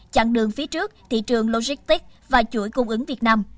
chặn đường phía trước thị trường logistics và chuỗi cung ứng việt nam